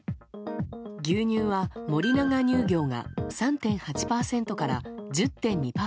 牛乳は森永乳業が３．８％から１０．２％